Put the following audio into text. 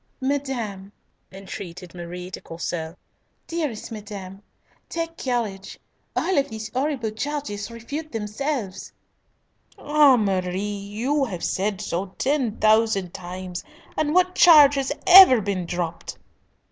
"Madam," entreated Marie de Courcelles, "dearest madam, take courage. All these horrible charges refute themselves." "Ah, Marie! you have said so ten thousand times, and what charge has ever been dropped?"